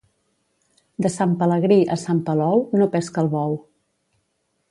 De Sant Pelegrí a Sant Palou no pesca el bou.